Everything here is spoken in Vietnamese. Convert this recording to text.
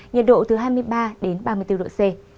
nhiệt độ từ hai mươi ba đến ba mươi bốn độ c